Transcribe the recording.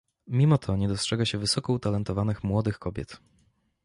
Mimo to nie dostrzega się wysoko utalentowanych młodych kobiet